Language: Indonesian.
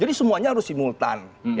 hukumnya harus simultan